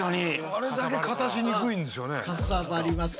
あれだけ片しにくいんですよね。